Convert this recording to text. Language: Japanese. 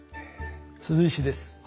鈴石です。